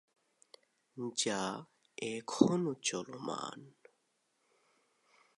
যা এখনো চলমান।